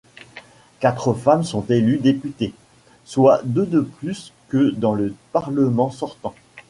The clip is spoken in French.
Quatre femmes sont élues députées, soit deux de plus que dans le Parlement sortant.